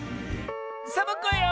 サボ子よ！